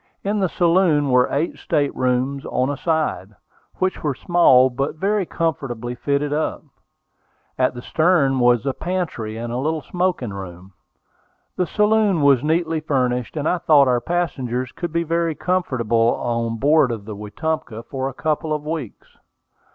In the saloon were eight state rooms on a side, which were small, but very comfortably fitted up. At the stern was a pantry and a little smoking room. The saloon was neatly furnished, and I thought our passengers could be very comfortable on board of the Wetumpka for a couple of weeks.